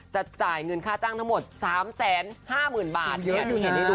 จะจ่ายเงินค่าจังทั้งหมด๓๕๐๐๐๐บาทเนี่ยเดี๋ยวเห็นได้ดู